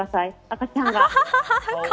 赤ちゃんが。